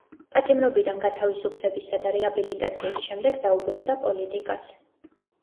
პატიმრობიდან გათავისუფლებისა და რეაბილიტაციის შემდეგ დაუბრუნდა პოლიტიკას.